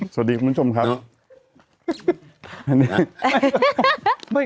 สวัสดีคุณผู้ชมครับ